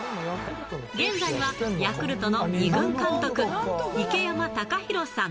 現在はヤクルトの二軍監督、池山隆寛さん。